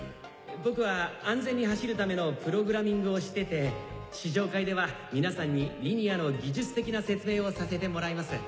僕は安全に走るためのプログラミングをしてて試乗会では皆さんにリニアの技術的な説明をさせてもらいます。